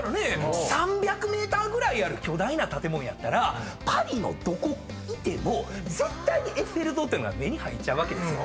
３００ｍぐらいある巨大な建物やったらパリのどこいても絶対にエッフェル塔っていうのが目に入っちゃうわけですよ。